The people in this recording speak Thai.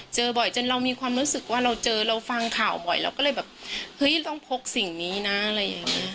เจอบ่อยจนเรามีความรู้สึกว่าเราเจอเราฟังข่าวบ่อยเราก็เลยแบบเฮ้ยต้องพกสิ่งนี้นะอะไรอย่างนี้